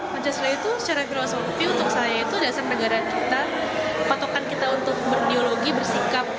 pancasila itu secara filosofi untuk saya itu dasar negara kita patokan kita untuk berdiologi bersikap